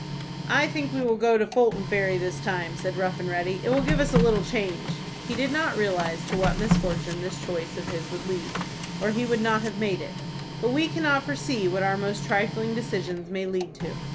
"I think we will go to Fulton Ferry this time," said Rough and Ready. "It will give us a little change." He did not realize to what misfortune this choice of his would lead, or he would not have made it; but we cannot foresee what our most trifling decisions may lead to.